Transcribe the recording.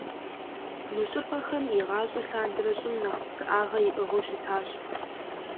Мы щӏыпӏэхэм, игъащӏэ лъандэрэ, щӏым нэхъ псыӏагъэ иӏыгъыу щытащ.